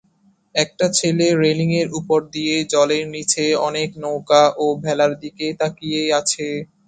একটা ছেলে রেলিংয়ের ওপর দিয়ে জলের নিচে অনেক নৌকা ও ভেলার দিকে তাকিয়ে আছে।